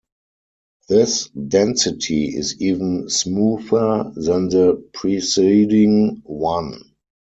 This density is even smoother than the preceding one.